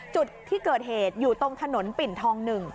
จุดที่เกิดเหตุอยู่ตรงถนนปิ่นทอง๑